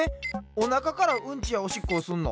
おなかからうんちやおしっこをすんの？